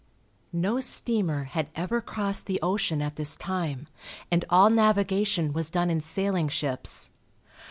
No steamer had ever crossed the ocean at this time, and all navigation was done in sailing ships.